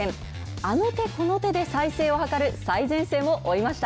あの手この手で再生を図る最前線を追いました。